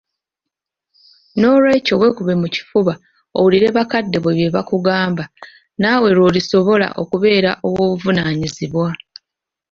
N'olwekyo weekube mu kifuba owulire bakadde bo bye bakugamba naawe lw'olisobola okubeera ow'obuvunaanyizibwa